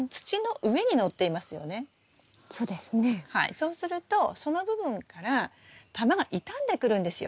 そうするとその部分から玉が傷んでくるんですよ。